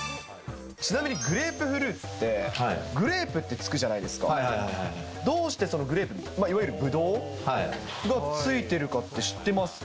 ちなみにグレープフルーツって、グレープってつくじゃないですか、どうしてそのグレープ、いわゆるぶどうがついてるかって知ってますか？